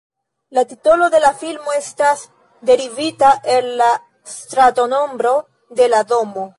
La titolo de la filmo estas derivita el la stratonombro de la domo.